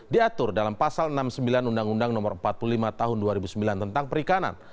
diatur dalam pasal enam puluh sembilan undang undang no empat puluh lima tahun dua ribu sembilan tentang perikanan